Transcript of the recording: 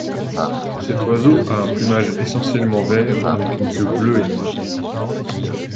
Cet oiseau a un plumage essentiellement vert avec une queue bleue et noire.